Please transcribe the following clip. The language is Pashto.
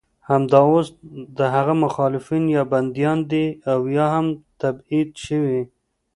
همدا اوس د هغه مخالفین یا بندیان دي او یا هم تبعید شوي.